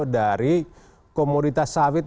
dari komoditas sawit